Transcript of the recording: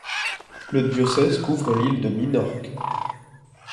Le diocèse couvre l'île de Minorque.